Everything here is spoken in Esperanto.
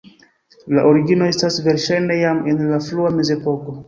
La origino estas verŝajne jam en la frua mezepoko.